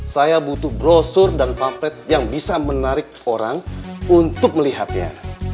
saya butuh brosur dan pamplet yang bisa menarik orang untuk melihatnya